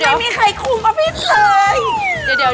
ก็ไม่มีใครคุงอภิษย์เลย